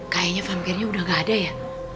kayaknya vampirnya udah gak ada ya